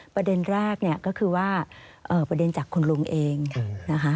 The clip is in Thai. ประเด็นแรกเนี่ยก็คือว่าประเด็นจากคุณลุงเองนะคะ